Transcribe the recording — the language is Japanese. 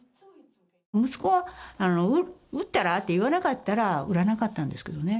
息子が、売ったら？って言わなかったら売らなかったんですけどね。